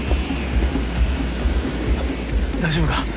大丈夫か？